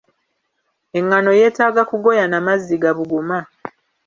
Engano yetaaga kugoya na mazzi gabuguma.